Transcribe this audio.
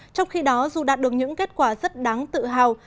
trong khi đó dù đạt được những kết quả rất đáng tự hào